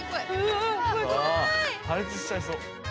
うわあ破裂しちゃいそう。